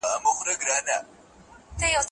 تاسو مه پرېږدئ چې ناپوهي مو پر ژوند سیوری وکړي.